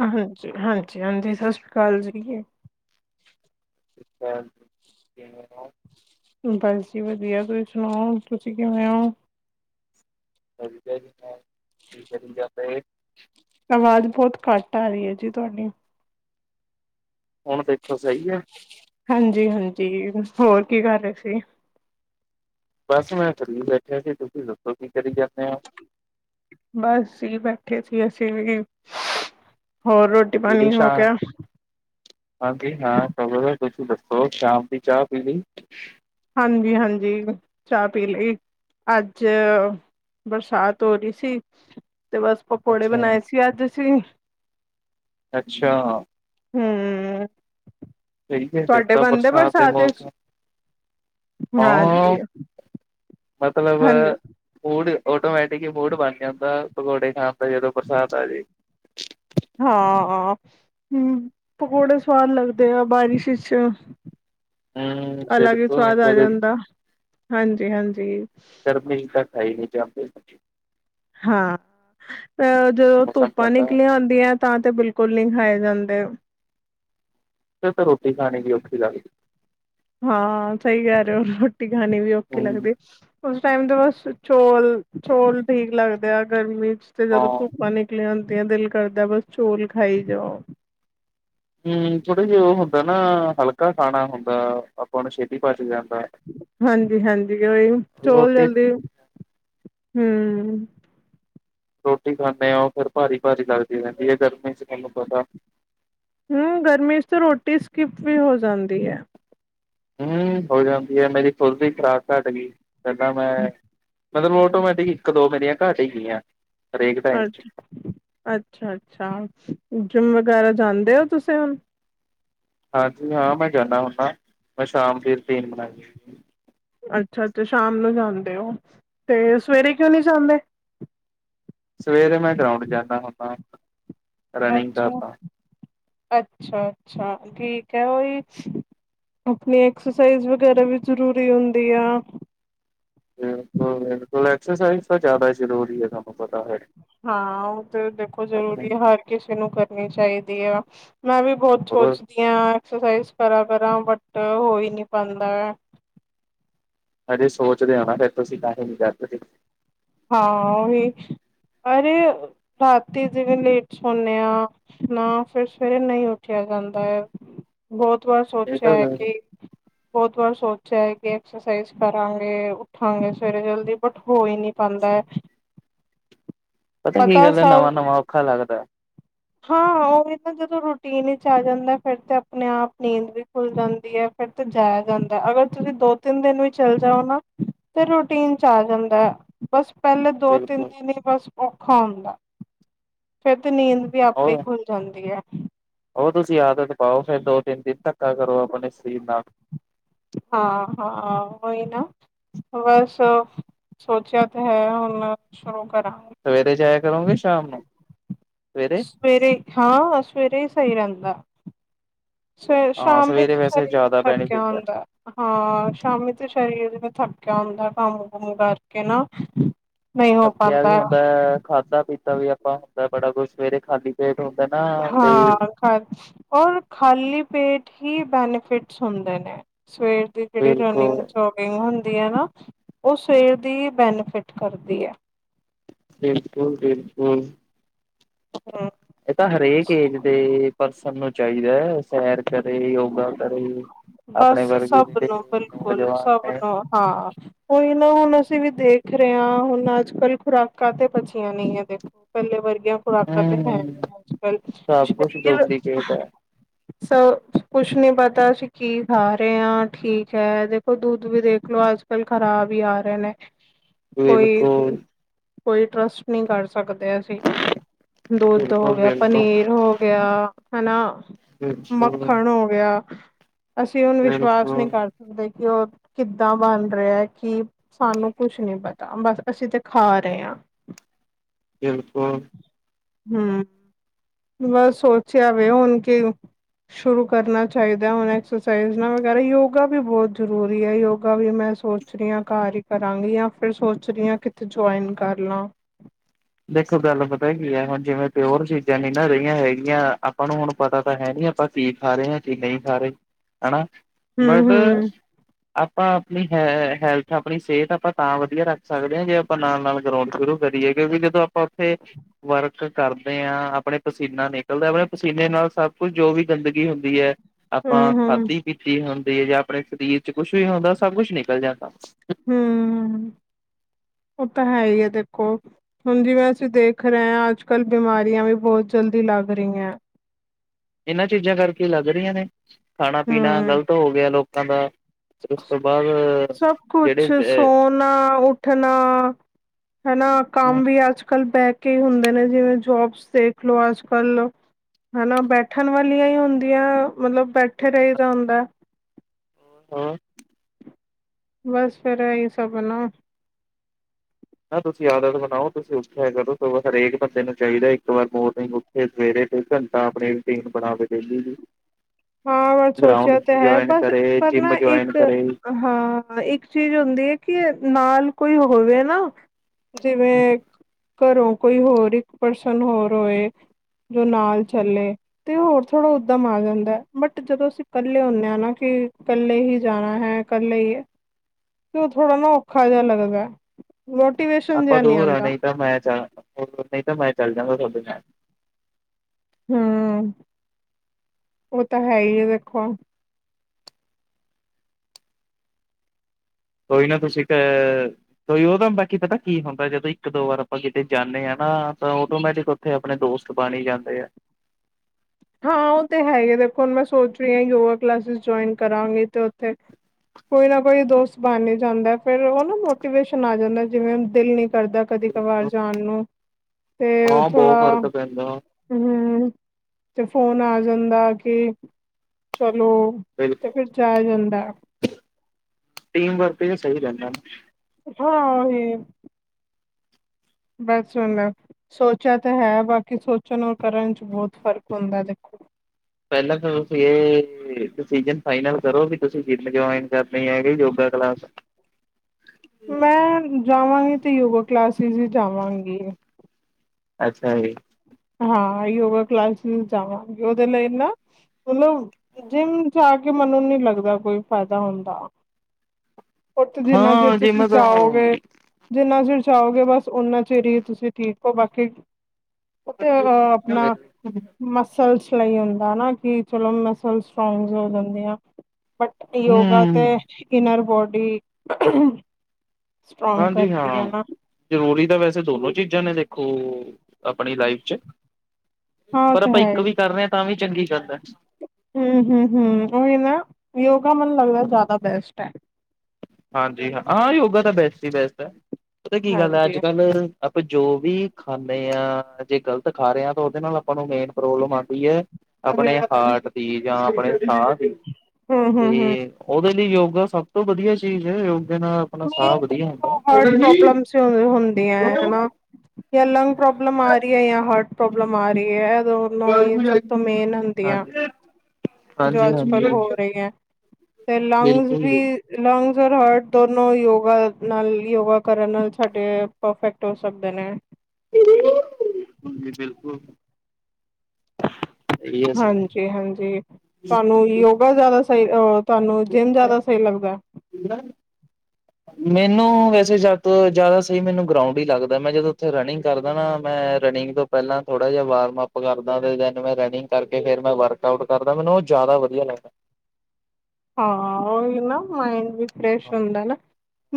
ਹਾਂਜੀ-ਹਾਂਜੀ, ਹਾਂਜੀ ਸਤਿ ਸ੍ਰੀ ਅਕਾਲ ਜੀ ਐ। [unintelligible] ਕੀ ਕਹਿੰਦਾ [unintelligible] ਬੱਸ ਜੀ ਵਧੀਆ ਤੁਸੀਂ ਸੁਣਾਓ ਤੁਸੀਂ ਕਿਵੇਂ ਹੋ। [unintelligible] ਕੀ ਕਰੀ ਜਾਂਦੇ ਆਵਾਜ ਬਹੁਤ ਘੱਟ ਆ ਰਹੀ ਹੈ ਜੀ ਤੁਹਾਡੀ। ਹੁਣ ਦੇਖੋ ਸਹੀ ਏ। ਹਾਂਜੀ-ਹਾਂਜੀ ਹੋਰ ਕੀ ਕਰ ਰਹੇ ਸੀ। ਬਸ ਮੈਂ ਥੱਲੀ ਬੈਠਿਆ ਸੀ ਤੁਸੀਂ ਦੱਸੋ ਕੀ ਕਰੀ ਜਾਨੇ ਆ। ਬਸ ਸੀਹੀ ਬੈਠੇ ਸੀ। ਅਸੀਂ ਵੀ ਹੋਰ। ਪਾਣੀ ਜਲੀਸ਼ਾ? ਹੋ ਗਿਆ? ਹਾਂਜੀ, ਹਾਂ। ਪਰ ਓਹ ਤੁਸੀਂ ਦੱਸੋ ਸ਼ਾਮ ਦੀ ਚਾਹ ਪੀਲੀ। ਹਾਂਜੀ- ਹਾਂਜੀ ਚਾਹ ਪੀ ਲਈ। ਅੱਜ ਬਰਸਾਤ ਹੋ ਰਹੀ ਸੀ ਤੇ ਬਸ ਪਕੌੜੇ ਅੱਛਾ ਬਣਾਏ ਸੀ ਅੱਜ ਅਸੀਂ। ਅੱਛਾ। ਹਮ। ਸਹੀ ਹੈ ਫਿਰ ਤੁਹਾਡੇ ਤਾਂ ਬਣਦੇ ਆ ਬਰਸਾਤ ਦੇ ਵਿੱਚ। ਮੌਸਮ ਹਾਂ ਨਾਂਜੀ। ਮਤਲਬ, ਫੂਡ ਆਟੋਮੈਟਿਕ ਹੀ ਫੂਡ ਬਣ ਜਾਂਦਾ ਪਕੌੜੇ ਖਾਣ। ਜਦੋਂ, ਬਰਸਾਤ ਆ ਜਾਈ। ਹਾਂ- ਹਾਂ। ਹਮ, ਪਕੌੜੇ ਸਵਾਦ ਲੱਗਦੇ ਆ ਬਾਰਿਸ਼ ਚ। ਹੂੰ ਅਲੱਗ ਹੀ ਬਿਲਕੁਲ ਸਵਾਦ ਆ ਜਦੋਂ ਜਾਂਦਾ ਹਾਂਜੀ-ਹਾਂਜੀ। ਮ ਤਾਂ ਕ ਨਹੀਂ [unintelligible] ਹਾਂ, ਤਾਂ ਜਦੋਂ ਮੌਸਮ ਧੁੱਪਾਂ ਠੰਡਾ ਹੋਵੇ ਨਿਕਲੀਆਂ ਹੁੰਦੀਆਂ। ਤਾਂ ਤੇ ਬਿਲਕੁਲ ਨਹੀਂ ਖਾਏ ਜਾਂਦੇ। ਫੇਰ ਤਾਂ ਰੋਟੀ ਖਾਣੀ ਵੀ ਔਖੀ ਲੱਗਦੀ। ਹਾਂ ਸਹੀ ਕਹਿ ਰਹੇ ਹੋ ਰੋਟੀ ਖਾਣੀ ਵੀ ਔਖੀ ਹੂੰ ਲੱਗਦੀ। ਉਸ ਟਾਈਮ ਤਾਂ ਬਸ ਚੌਲ- ਚੌਲ ਠੀਕ ਲੱਗਦੇ ਆ ਗਰਮੀ ਉਸ ਤੇ ਜਦੋਂ ਹਾਂ, ਧੁੱਪਾਂ ਨਿਕਲੀਆਂ ਹੁੰਦੀਆਂ ਦਿਲ ਕਰਦਾ ਬਸ ਚੋਲ ਖਾਈ ਜਾਓ। ਹਮ ਥੋੜੇ ਜਿਹੇ ਉਹ ਹੁੰਦਾ ਨਾ ਹਲਕਾ ਖਾਣਾ ਹੁੰਦਾ ਆਪਾਂ ਨੂੰ ਛੇਤੀ ਪਚ ਚ ਜਾਂਦਾ। ਹਾਂਜੀ-ਹਾਂਜੀ ਉਹੀ ਚੋਲ ਰੋਟੀ ਜਲਦੀ ਹਮ। ਰੋਟੀ ਖਾਂਦੇ ਆ ਫੇਰ ਭਾਰੀ-ਭਾਰੀ ਲੱਗਦੀ ਰਹਿੰਦੀ ਹੈ। ਗਰਮੀ ਚ ਤੈਨੂੰ ਪਤਾ ਹਮ ਗਰਮੀ ਤੇ ਰੋਟੀ ਸਕਿੱਪ ਵੀ ਹੋ ਜਾਂਦੀ ਹੈ। ਹਮ ਹੋ ਜਾਂਦੀ ਹੈ ਮੇਰੀ ਖੁਦ ਦੀ ਖ਼ਰਾਕ ਘੱਟ ਗਈ, ਜਿੱਦਾਂ ਮੈਂ ਮਤਲਬ ਓਟੋਮੈਟਿਕ ਇੱਕ-ਦੋ ਮੇਰੀਆਂ ਘੱਟ ਹੀ ਗਈਆਂ ਊ ਹਰੇਕ ਟਾਈਮ ਚ। ਅੱਛਾ- ਅੱਛਾ ਜਿੰਮ ਵਗੈਰਾ ਜਾਂਦੇ ਹੋ ਤੁਸੀਂ ਹੁਣ? ਹਾਂਜੀ ਹਾਂ, ਮੈਂ ਜਾਂਨਾ ਹੁੰਦਾ, ਮੈਂ ਸ਼ਾਮ ਦੀ ਰੂਟੀਨ ਬਨਾਣੀ ਹੈ ਜੀ। ਅੱਛਾ, ਤੇ ਸ਼ਾਮ ਨੂੰ ਜਾਂਦੇ ਹੋ, ਤੇ ਸਵੇਰੇ ਕਿਉਂ ਨੀ ਜਾਂਦੇ? ਸਵੇਰੇ ਮੈਂ ਗਰਾਊਂਡ ਜਾਂਨਾ ਹੁੰਨਾ। ਅੱਛਾ, ਅੱਛਾ- ਅੱਛਾ ਠੀਕ ਹੈ ਉਹੀ ਆਪਣੀ ਐਕਸਰਸਾਈਜ਼ ਵਗੈਰਾ ਵੀ ਜ਼ਰੂਰੀ ਹੁੰਦੀ ਆ। ਬਿਲਕੁਲ-ਬਿਲਕੁਲ ਐਕਸਰਸਾਈਜ਼ ਤਾਂ ਜ਼ਿਆਦਾ ਈ ਜ਼ਰੂਰੀ ਹੈ ਤੁਹਾਨੂੰ ਪਤਾ ਹੋਏ। ਹਾਂ ਉਹ ਤੇ ਦੇਖੋ ਜ਼ਰੂਰੀ ਹਰ ਕਿਸੇ ਨੂੰ ਕਰਨੀ ਚਾਹੀਦੀ ਆ। ਮੈਂ ਵੀ ਬਹੁਤ ਹੋਰ ਸੋਚਦੀ ਹਾਂ ਐਕਸਰਸਾਈਜ਼ ਕਰਾ-ਕਰਾ ਬਟ ਹੋ ਹੀ ਨਹੀਂ ਪਾਂਦਾ ਹੈ। ਹਜੇ ਸੋਚਦੇ ਹੋ ਨਾ ਫਿਰ ਤੁਸੀਂ ਤਾਹੀਂ ਨੀ ਕਰਦੇ ਪਏ। ਹਾਂ ਉਹੀ ਅਰੇ ਰਾਤੀ ਜਿਵੇਂ ਲੇਟ ਸੋਣੇ ਆ। ਨਾ ਫਿਰ ਸਵੇਰ ਨਹੀਂ ਉੱਠਿਆ ਜਾਂਦਾ ਹੈ ਬਹੁਤ ਵਾਰ ਇਹ ਤਾਂ ਸੋਚਿਆ ਹੈ ਕੀ ਬਹੁਤ ਵਾਰ ਸੋਚਿਆ ਹੈ, ਕਿ ਐਕਸਰਸਾਈਜ਼ ਕਰਾਂਗੇ ਉੱਠਾਂਗੇ ਸਵੇਰੇ ਜਲਦੀ ਬੱਟ ਹੋਈ ਨੀ ਪੈਂਦਾ ਹੈ। ਪਤਾ ਕੀ ਗੱਲ ਆ ਨਵਾਂ-ਨਵਾਂ ਔਖਾ ਲੱਗਦਾ ਐ। ਹਾਂ ਉਹ ਵੀ ਨਾ ਜਦੋਂ ਰੂਟੀਨ ਵਿਚ ਆ ਜਾਂਦਾ, ਫਿਰ ਤੇ ਆਪਣੇ ਆਪ ਨੀਂਦ ਵੀ ਖੁੱਲ ਜਾਂਦੀ ਐ। ਫਿਰ ਤੇ ਜਾਇਆ ਜਾਂਦਾ ਅਗਰ ਤੁਸੀਂ ਦੋ-ਤਿੰਨ ਦਿਨ ਵੀ ਚੱਲ ਜਾਓ ਨਾ, ਤੇ ਰੂਟੀਨ ਚ ਆ ਜਾਂਦਾ। ਬਸ ਪਹਿਲੇ ਦੋ- ਤਿੰਨ ਬਿਲਕੁਲ ਦਿਨ ਹੀ ਬਸ ਔਖਾ ਹੁੰਦਾ, ਫਿਰ ਤੇ ਨੀਂਦ ਵੀ ਆ ਉਹ ਬਿਲਕੁਲ ਜਾਂਦੀ ਐ ਉਹ ਤੁਸੀਂ ਆਦਤ ਪਾਓ, ਫੇਰ ਦੋ ਤਿੰਨ ਦਿਨ ਧੱਕਾ ਕਰੋ ਆਪਣੇ ਸਰੀਰ ਨਾਲ। ਹਾਂ, ਹਾਂ ਉਹੀ ਨਾ ਬਸ ਸੋਚਿਆ ਤੇ ਹੈ, ਹੁਣ ਸ਼ੁਰੂ ਕਰਾਂਗੀ ਸਵੇਰੇ ਜਾਇਆ ਕਰੋਂਗੇ ਸ਼ਾਮ ਨੂੰ। ਸਵੇਰੇ ਹਾਂ ਸਵੇਰੇ ਹੀ ਸਹੀ ਰਹਿੰਦਾ। ਸਵੇਰੇ ਹਾਂ ਸ਼ਾਮ ਨੂੰ ਸਵੇਰੇ ਤਾਂ ਵੈਸੇ ਸਰੀਰ ਜ਼ਿਆਦਾ ਥੱਕਿਆ ਬੈਨੀਫਿਟ ਹੈ ਹੁੰਦਾ। ਹਾਂ ਸ਼ਾਮੀ ਤੇ ਸਰੀਰ ਜੈਂ ਥੱਕਿਆ ਹੁੰਦਾ ਕੰਮ-ਕੁਮ ਕਰਕੇ ਨਾ। ਨਹੀਂ ਹੋ ਥੱਕਿਆ ਵੀ ਪਾਉਂਦਾ ਹੁੰਦਾ ਐ ਖਾਧਾ-ਪੀਤਾ ਵੀ ਆਪਾਂ ਹੁੰਦਾ ਬੜਾ ਕੁੱਝ, ਸਵੇਰੇ ਖਾਲੀ ਪੇਟ ਹੁਂਦੇ ਨਾ ਤੇ ਹੀ ਹਾਂਜੀ, ਔਰ ਖਾਲੀ ਪੇਟ ਹੀ ਬੈਨੀਫਿਟਸ ਹੁੰਦੇ ਨੇ ਸਵੇਰ ਦੇ ਜਿਹੜੀ ਬਿਲਕੁਲ ਰਨਿੰਗ-ਜੋਗਿੰਗ ਹੁੰਦੀ ਹੈ ਨਾ, ਉਹ ਸਵੇਰ ਦੀ ਹੀ ਬੈਨੀਫਿਟ ਕਰਦੀ ਐ। ਬਿਲਕੁਲ, ਬਿਲਕੁਲ ਹਮ ਇਹ ਤਾਂ ਹਰੇਕ ਏਜ ਦੇ ਪਰ ਸਬ ਨੂੰ ਚਾਹੀਦਾ ਹੈ ਸੈਰ ਕਰੇ, ਯੋਗਾ ਕਰੇ ਬਸ ਆਪਣੇ ਵਰਗੇ ਸਭ ਜਿਹੜੇ ਨੂੰ ਬਿਲਕੁਲ ਨੌਜਵਾਨ ਸਭ ਨੇ ਨੂੰ ਹਾਂ। ਉਹੀ ਨਾ ਹੁਣ ਅਸੀਂ ਵੀ ਦੇਖ ਰਹੇ ਹਾਂ, ਹੁਣ ਅੱਜ ਕੱਲ੍ਹ ਖੁਰਾਕਾਂ ਤੇ ਪਚੀਆਂ ਨਹੀਂ ਹੈ ਪਹਿਲੇ ਵਰਗੀਆਂ ਖੁਰਾਕਾਂ ਤੇ ਹੈ ਹੂੰ, ਨੀ ਅੱਜ-ਕੱਲ, ਸਭ ਕੁਛ ਸਰੀਰ ਡੁਪਲੀਕੇਟ ਹੈ। ਸ ਕੁੱਛ ਨਹੀਂ ਪਤਾ ਸੀ ਕੀ ਖਾ ਰਹੇ ਹਾਂ ਠੀਕ ਹੈ ਦੇਖੋ ਦੁੱਧ ਵੀ ਦੇਖਲੋ ਅੱਜ-ਕੱਲ ਖ਼ਰਾਬ ਹੀ ਆ ਰਹੇ ਨੇ। ਕੋਈ ਬਿਲਕੁਲ, ਕੋਈ ਟਰਸਟ ਨਹੀਂ ਕਰ ਸਕਦੇ ਅਸੀਂ ਦੁੱਧ ਹੋ ਬਿਲਕੁਲ, ਗਿਆ ਬਿਲਕੁਲ, ਪਨੀਰ ਹੋ ਗਿਆ ਹੈਨਾ ਬਿਲਕੁਲ, ਮੱਖਣ ਹੋ ਵਿਆਹ ਅਸੀਂ ਹੁਣ ਵਿਸ਼ਵਾਸ ਨਹੀਂ ਬਿਲਕੁਲ। ਕਰ ਸਕਦੇ ਕਿ ਉਹ ਕਿੱਦਾਂ ਬਣ ਰਿਹਾ ਕਿ ਸਾਨੂੰ ਕੁਛ ਨੀ ਪਤਾ, ਬਸ ਅਸੀਂ ਤੇ ਖਾ ਰਹੇ ਹਾਂ ਬਿਲਕੁਲ ਹੂ ਬਸ ਸੋਚਿਆ ਵੇ ਹੁਣ ਕੀ, ਸ਼ੁਰੂ ਕਰਨਾ ਚਾਹੀਦਾ ਹੁਣੇ ਐਕਸਰਸਾਈਜ਼ ਨਾ ਵਗੈਰਾ ਯੋਗਾ ਵੀ ਬਹੁਤ ਜ਼ਰੂਰੀ ਹੈ ਯੋਗਾ ਵੀ ਮੈਂ ਸੋਚ ਰਹੀ ਹਾਂ ਘਰ ਇਕ ਕਰਾਂਗੀ, ਯਾ ਫਿਰ ਸੋਚ ਰਹੀ ਆਂ ਕਿੱਥੇ ਜੁਆਇਨ ਕਰ ਲਾਂ। ਦੇਖੋ ਗੱਲ ਪਤਾ ਕੀ ਹੈ ਹੁਣ ਜਿਵੇਂ ਪਿਉਰ ਚੀਜ਼ਾਂ ਨੀ ਨਾ ਰਹੀਆਂ ਹੈਗੀਆਂ, ਆਪਾਂ ਨੂੰ ਹੁਣ ਪਤਾ ਤਾਂ ਹੈ ਨੀ ਆਪਾਂ ਕੀ ਖਾ ਰਹੇ ਹਾਂ, ਕੀ ਨਹੀਂ ਖਾ ਰਹੇ ਹਨਾ, ਹਮ ਬਟ ਹਮ ਆਪਾਂ ਆਪਣੀ ਹੈ ਹੈਲਥ ਆਪਣੀ ਸਿਹਤ ਆਪਾਂ ਤਾਂ ਵਧੀਆ ਰੱਖ ਸਕਦੇ ਹਾਂ, ਜੇ ਆਪਾਂ ਨਾਲ-ਨਾਲ ਗਰਾਊਂਡ ਸ਼ੁਰੂ ਕਰੀਏ ਕਿਉਂਕਿ ਜਦੋਂ ਆਪਾਂ ਉੱਥੇ ਵਰਕ ਕਰਦੇ ਆਂ ਆਪਣੇ ਪਸੀਨਾ ਨਿਕਲਦਾ, ਆਪਣੇ ਪਸੀਨੇ ਨਾਲ ਸਭ ਕੁਝ ਜੋ ਵੀ ਗੰਦਗੀ ਹੁੰਦੀ ਹੈ। ਆਪਾਂ ਹਮ ਹਮ ਖਾਧੀ ਪੀਤੀ ਹੁੰਦੀ, ਜਾਂ ਆਪਣੇ ਸਰੀਰ ਚ ਕੁਛ ਵੀ ਹੁੰਦਾ ਸਭ ਕੁਛ ਨਿਕਲ ਜਾਂਦਾ। ਹੂ ਉਹ ਤਾਂ ਹੈ ਹੀ ਹੈ ਦੇਖੋ। ਹੁਣ ਜਿਵੇਂ ਅਸੀਂ ਦੇਖ ਰਹੇ ਹਾਂ ਅੱਜ ਕੱਲ ਬਿਮਾਰੀਆਂ ਵੀ ਬਹੁਤ ਜਲਦੀ ਲੱਗ ਰਹੀਆਂ। [inaudible] ਇਹਨਾਂ ਚੀਜ਼ਾਂ ਕਰਕੇ ਈ ਲੱਗ ਰਹੀਆਂ ਨੇ, ਖਾਣਾ ਪੀਣਾ ਹਮ ਗ਼ਲਤ ਹੋ ਗਿਆ ਲੋਕਾਂ ਦਾ ਫੇਰ ਉਸ ਤੋਂ ਬਾਅਦ ਜਿਹੜੇ ਤੇ ਨਾ ਉੱਠਣਾ ਹੈਨਾ ਕੰਮ ਵੀ ਅੱਜ ਅੱਜ-ਕੱਲ ਬਹਿ ਕੇ ਹੁੰਦੇ ਨੇ, ਜਿਵੇਂ ਜੋਬਸ ਦੇਖਲੋ ਅੱਜ-ਕੱਲ ਹੈਨਾ ਬੈਠਣ ਵਾਲੀਆਂ ਹੀ ਹੁੰਦੀਆਂ ਮਤਲਬ ਬੈਠੇ ਦਾ ਰਹੀਦਾ ਹੁੰਦਾ। ਹਾਂ ਬਸ ਫੇਰ ਇਹ ਸਭ ਐ ਨਾ ਨਾ ਤੁਸੀਂ ਆਦਤ ਬਣਾਓ ਤੁਸੀਂ ਉਠਿਆ ਕਰੋ ਸਗੋਂ ਹਰੇਕ ਬੰਦੇ ਨੂੰ ਚਾਹੀਦਾ ਇੱਕ ਵਾਰ ਮੋਰਨਿੰਗ ਇਹ ਸਵੇਰੇ ਇਕ ਘੰਟਾ ਆਪਣੀ ਰੂਟੀਨ ਬਣਾਵੇ ਡੇਲੀ ਦੀ। ਹਾਂ, ਬਸ ਗਰਾਊਂਡ ਸੋਚਿਆ ਤੇ ਐ ਜੁਆਇਨ ਬਸ ਕਰੇ ਪਰ ਨਾ ਜਿੰਮ ਜੁਆਇਨ ਇੱਕ ਕਰੇ ਹਾਂ ਇੱਕ ਚੀਜ਼ ਹੁੰਦੀ ਐ ਕਿ ਨਾਲ ਕੋਈ ਹੋਵੇ ਨਾ ਜਿਵੇਂ ਕਰੋਂ ਕੋਈ ਹੋਰ ਇੱਕ ਪਰਸਨ ਹੋਰ ਹੋਏ। ਜੋ ਨਾਲ ਚੱਲੇ, ਤੇ ਹੋਰ ਥੋੜਾ ਉੱਦਮ ਆ ਜਾਂਦਾ ਐ। ਬਟ ਜਦੋਂ ਅਸੀਂ ਕੱਲੇ ਹੁੰਨੇ ਹਾਂ ਨਾ ਕਿ ਕੱਲੇ ਹੀ ਜਾਣਾ ਹੈ, ਕੱਲੇ ਈ ਐ ਫੇਰ ਥੋੜਾ ਨਾ ਔਖਾ ਜਿਹਾ ਲੱਗਦਾ ਐ। ਮੋਟੀਵੇਸ਼ਨ ਆਪਾਂ ਦੂਰ ਹੈ ਨਹੀਂ ਤਾਂ, ਮੈਂ ਚ ਨਹੀਂ ਤਾਂ ਮੈਂ ਚੱਲ ਜਾਂਗਾ ਤੁਹਾਡੇ ਨਾਲ ਹੁੰ, ਉਹ ਤਾਂ ਹੈ ਹੀ ਐ ਦੇਖੋ ਕੋਈ ਨਾ ਤੁਸੀਂ ਕ ਕੋਈ ਉਹਦਾ ਬਾਕੀ ਪਤਾ ਕੀ ਹੁੰਦਾ, ਜਦੋਂ ਇੱਕ, ਦੋ ਵਾਰ ਆਪਾਂ ਕਿਤੇ ਜਾਂਨੇ ਹਾਂ ਨਾ ਤਾਂ ਔਟੌਮੇਟਿਕ ਉਥੇ ਆਪਣੇ ਦੋਸਤ ਬਾਣੀ ਜਾਂਦੇ ਆ। ਹਾਂ ਉਹ ਤੇ ਹੈਗੇ ਦੇਖੋ ਹੁਣ ਮੈਂ ਸੋਚ ਰਹੀ ਹ ਯੋਗਾ ਕਲਾਸਿਸ ਜਊਣ ਕਰਾਂਗੀ ਤੇ ਉੱਥੇ ਕੋਈ ਨਾ ਕੋਈ ਦੋਸਤ ਬਣ ਹੀ ਜਾਂਦਾ ਫੇਰ ਉਹ ਨਾ ਮੋਟੀਵੇਸ਼ਨ ਆ ਜਾਂਦਾ ਐ, ਜਿਵੇਂ ਦਿਲ ਨੀ ਕਰਦਾ ਕਦੇ ਕਵਾਰ ਜਾਣ ਨੂੰ, ਤੇ ਹਾਂ ਬਹੁਤ ਥੋੜ੍ਹਾ ਫ਼ਰਕ ਪੈਂਦਾ ਹੁੰ, ਤੇ ਫੋਨ ਆ ਜਾਂਦਾ ਕਿ ਚਲੋ ਤੇ ਫੇਰ ਜਾਇਆ ਜਾਂਦਾ। ਟੀਮ ਵਰਕ ਵੀ ਸਹੀ ਰਹਿੰਦਾ। ਹਾਂ [unintelligible] ਬੱਸ [unintelligible] ਸੋਚਿਆ ਤਾਂ ਹੈ ਬਾਕੀ ਸੋਚਣ ਔਰ ਕਰਨ ਚ ਬਹੁਤ ਫ਼ਰਕ ਹੁੰਦਾ ਐ, ਦੇਖੋ। ਪਹਿਲਾਂ ਤਾਂ ਤੁਸੀਂ ਇਹ ਡਸੀਜਨ ਫਾਈਨਲ ਕਰੋ, ਕੀ ਤੁਸੀਂ ਜਿੰਮ ਜੁਆਇਨ ਕਰਨੀ ਐ ਯਾ ਯੋਗਾ ਕਲਾਸ ਮੈਂ ਜਾਵਾਂਗੀ ਤੇ ਯੋਗਾ ਕਲਾਸਿਸ ਹੀ ਜਾਵਾਂਗੀ। ਅੱਛਾ ਜੀ। ਹਾਂ ਯੋਗਾ ਕਲਾਸ ਹੀ ਜਾਵਾਂਗੇ ਉਹਦੇ ਲਯੀ ਨਾ ਮਤਲਬ ਜਿੰਮ ਜਾ ਕੇ ਮੈਨੂੰ ਨੀ ਲੱਗਦਾ ਕੋਈ ਫਾਇਦਾ ਹੁੰਦਾ ਐ। ਉਥੇ ਜਿੰਨਾ ਚਿਰ ਹਾਂ ਤੁਸੀਂ ਜਿੰਮ ਤਾਂ ਜਾਓਗੇ ਜਿੰਨਾ ਚਿਰ ਜਾਓਗੇ ਬੱਸ ਓਨਾ ਚਿਰ ਹੀ ਤੁਸੀਂ ਠੀਕ ਹੋ, ਬਾਕੀ ਤੁਸੀ ਉਥੇ ਅ ਆਪਣਾ ਮ [unintelligible] ਬਟ ਯੋਗਾ ਹਮ ਤੇ ਇਨਰ ਬੋਡੀ ਸਟਰੋਂਗ ਹਾਂਜੀ ਕਰਦੀ ਹੈ ਹਾਂ, ਨਾ। ਜ਼ਰੂਰੀ ਤਾਂ ਵੈਸੇ ਦੋਨੋ ਚੀਜ਼ਾਂ ਨੇ ਦੇਖੋ ਆਪਣੀ ਲਾਈਫ ਚ ਹਾਂ ਉਹ ਪਰ ਤਾਂ ਆਪਾਂ ਹੈ ਇੱਕ ਹੀ। ਵੀ ਕਰ ਰਹੇ ਆ ਤਾ ਵੀ ਚੰਗੀ ਗੱਲ ਐ। ਹੁੰ, ਹੁੰ, ਹੁੰ, ਉਹੀ ਨਾ ਯੋਗਾ ਮੈਨੂੰ ਲੱਗਦਾ ਜ਼ਿਆਦਾ ਬੈਸਟ ਐ। ਹਾਂਜੀ, ਹਾਂ ਯੋਗਾ ਤਾਂ ਬੈਸਟ ਹੀ ਬੈਸਟ ਐ, ਪਤਾ ਕੀ ਗੱਲ ਐ ਹਾਂਜੀ। ਅੱਜ-ਕੱਲ ਆਪਾਂ ਜੋ ਵੀ ਖਾਂਦੇ ਹਾਂ, ਜੇ ਗ਼ਲਤ ਖਾ ਰਹੇ ਆਂ, ਤਾਂ ਉਹਦੇ ਨਾਲ ਆਪਾਂ ਨੂੰ ਮੇਨ ਪ੍ਰੋਬਲਮ ਆਂਦੀ ਐ। ਆਪਣੇ ਹਾਰਟ ਦੀ ਜਾਂ ਆਪਣੇ ਸਾਹ ਦੀ ਹੂੰ ਹੂੰ ਹੂੰ ਤੇ ਉਹਦੇ ਲਈ ਯੋਗਾ ਸਭ ਤੋਂ ਵਧੀਆ ਚੀਜ਼ ਐ, ਯੋਗੇ ਨਾਲ ਆਪਣਾ ਮੇਨ ਸਾਹ ਤਾਂ ਵਧੀਆ ਦੇਖੋ ਹੁੰਦਾ। ਹਾਰਟ ਪ੍ਰਗਟ ਜੀ ਪ੍ਰੋਬਲਮਸ ਹੁੰਦੀਆਂ ਐ ਹਨਾ। ਯਾ ਲੰਗਸ ਪ੍ਰੋਬਲਮ ਆ ਰਹੀ ਐ ਜਾਂ ਹਾਰਟ ਪ੍ਰੋਬਲਮ ਆ ਰਹੀ ਐ ਲੋਂ ਆਵਾਜ਼ ਹੀ ਬੂਜ ਸਭ ਆਈ ਤੋਂ ਜੀ। ਮੇਨ ਹੁੰਦੀਆ, ਹਾਂਜੀ ਜੋ ਹਾਂਜੀ ਹਾਂਜੀ ਅੱਜ-ਕੱਲ ਹੋ ਰਹੇ ਤੇ ਲੰਗਸ ਬਿਲਕੁਲ ਜੀ। ਵੀ ਲੰਗਸ ਔਰ ਹਾਰਟ ਦੋਨੋ ਯੋਗਾ ਨਾਲ ਯੋਗਾ ਕਰਨ ਨਾਲ ਸਾਡੇ ਪਰਫੈਕਟ ਹੋ ਸਕਦੇ ਨੇ। ਜੀ ਬਿਲਕੁਲ। ਸਹੀ ਹੈ ਸਹੀ ਹਾਂਜੀ-ਹਾਂਜੀ ਤੁਹਾਨੂੰ ਯੋਗਾ ਜ਼ਿਆਦਾ ਸਹੀ ਅਹ ਤੁਹਾਨੂੰ ਜਿੰਮ ਜਿਆਦਾ ਸਹੀ ਲੱਗਦਾ। ਨਾ ਮੈਨੂੰ ਵੈਸੇ ਜਿਆਦਾ ਸਹੀ ਮੈਨੂੰ ਗਰਾਉਂਡ ਹੀ ਲੱਗਦਾ। ਮੈਂ ਜਦੋਂ ਉੱਥੇ ਰਨਿੰਗ ਕਰਦਾ ਨਾ ਮੈਂ ਰਨਿੰਗ ਤੋਂ ਪਹਿਲਾਂ ਥੋੜਾ ਜਿਹਾ ਵਾਰਮਅੱਪ ਕਰਦਾ ਤੇ। ਦੈਨ ਮੈਂ ਰਨਿੰਗ ਕਰਕੇ ਫ਼ਿਰ ਮੈਂ ਵਰਕ ਆਊਟ ਕਰਦਾ ਮੈਨੂੰ ਉਹ ਜ਼ਿਆਦਾ ਵਧੀਆ ਲੱਗਦਾ। ਹਾਂ ਉਹੀ ਨਾ ਮਾਇੰਡ ਵੀ ਫਰੈਸ਼ ਹੁੰਦਾ ਨਾ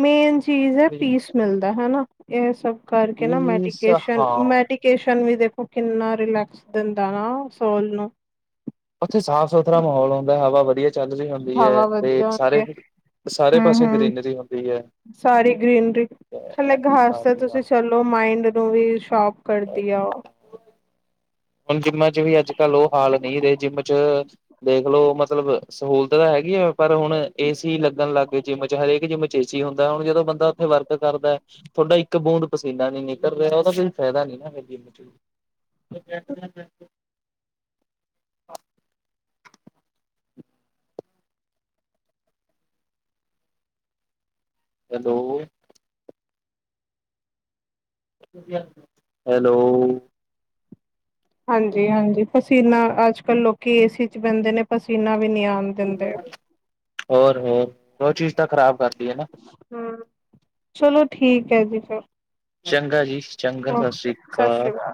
ਮੇਨ ਚੀਜ਼ ਹੈ ਹਾਂ ਪੀਸ ਮਿਲਦਾ ਹਨਾ। ਇਹ ਸਭ ਕਰਕੇ ਨਾ ਮੈਡੀਕੇਸ਼ਨ ਹਾਂ ਮੈਡੀ ਕੇਸ਼ਨ ਵੀ ਦੇਖੋ ਕਿੰਨਾ ਰਿਲੈਕਸ ਦਿੰਦਾ ਨਾ ਸੋਲ ਨੂੰ ਉੱਥੇ ਸਾਫ਼- ਸੁਥਰਾ ਮਾਹੌਲ ਹੁੰਦਾ, ਹਵਾ ਵਧੀਆ ਚੱਲ ਰਹੀ ਹੁੰਦੀ ਆ ਹਵਾ ਤੇ ਵਧੀਆ ਹੁੰਦੀ ਸਾਰੇ ਹੈ। ਸਾਰੇ ਹਮ ਪਾਸੇ ਹਮ ਗਰੀਨਰੀ ਹੁੰਦੀ ਆ ਸਾਰੀ ਗ੍ਰੀਨਰੀ ਥੱਲੇ ਗੈਸ ਤੇ ਤੁਸੀਂ ਚਲੋ ਮਾਇੰਡ ਨੂੰ ਵੀ ਸ਼ੋਪ ਕਰਦੀ ਆ ਉਹ ਹੁਣ ਜਿੰਮਾਂ ਚ ਵੀ ਅੱਜ- ਕੱਲ ਉਹ ਹਾਲ ਨਹੀਂ ਰਹੇ ਜਿੰਮ 'ਚ' ਦੇਖਲੋ ਮਤਲਬ ਸਹੂਲਤ ਤਾਂ ਹੈਗੀ ਆ ਪਰ ਹੁਣ ਏ, ਸੀ, ਲੱਗਣ ਲੱਗਏ ਜਿੰਮ ਚ ਹਰੇਕ ਜਿੰਮ ਏ, ਸੀ, ਹੁੰਦਾ ਹੁਣ ਜਦੋਂ ਬੰਦਾ ਉੱਥੇ ਵਰਕ ਕਰਦਾ। ਥੋਹਡਾ ਇੱਕ ਬੂੰਦ ਪਸੀਨਾ ਨੀ ਨਿਕਲ ਰਿਹਾ ਉਹਦਾ ਕੋਈ ਫਾਇਦਾ ਨੀ ਨਾ ਮੇਰੀ 'ਚ' ਬਹਾਰ ਜਾ ਕੇ ਹੈਲੋ। ਵਧੀਆ, ਹੈਲੋ। ਹਾਂਜੀ- ਹਾਂਜੀ ਪਸੀਨਾ ਅੱਜ- ਕੱਲ੍ਹ ਲੋਕੀ ਏ, ਸੀ, 'ਚ' ਬਹਿੰਦੇ ਨੇ ਪਸੀਨਾ ਵੀ ਨਹੀਂ ਆਉਂਦਾ ਕੋਈ ਫਾਇਦਾ ਨੀ, ਹੋਰ- ਹੋਰ ਉਹ ਚੀਜ਼ ਤਾਂ ਖ਼ਰਾਬ ਕਰਦੀ ਹੈ ਨਾ ਹੁ, ਚਲੋ ਠੀਕ ਹੈ ਜੀ ਫਿਰ ਚੰਗਾ ਜੀ ਚੰਗਾ ਓਕੇ ਸਸਰੀ ਸਤਿ ਸ਼੍ਰੀ ਕਾਲ ਅਕਾਲ